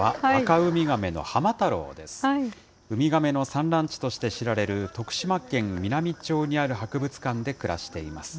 ウミガメの産卵地として知られる徳島県美波町にある博物館で暮らしています。